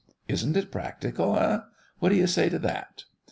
Isn't it practical? eh! What do you say to it?"